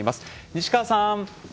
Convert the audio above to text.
西川さん！